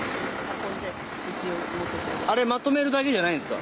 あれまとめるだけじゃないんですか？